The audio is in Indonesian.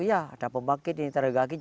ya ada pembangkit